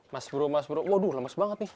mas bro mas bro waduh lemas banget nih